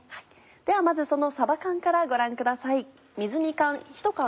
ではまずそのさば缶からご覧ください。